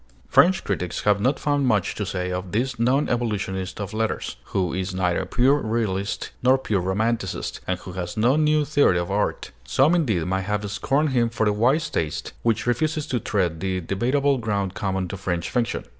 French critics have not found much to say of this non evolutionist of letters, who is neither pure realist nor pure romanticist, and who has no new theory of art. Some, indeed, may have scorned him for the wise taste which refuses to tread the debatable ground common to French fiction.